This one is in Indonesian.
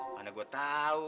mana gue tau